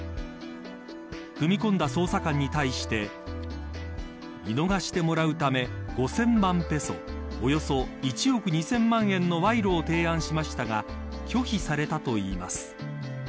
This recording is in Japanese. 踏み込んだ捜査官に対して見逃してもらうため５０００万ペソおよそ１億２０００万円の賄賂を提案しましたが拒否されたといいます。